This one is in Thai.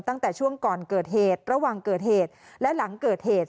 ตั้งแต่ช่วงก่อนเกิดเหตุระหว่างเกิดเหตุและหลังเกิดเหตุ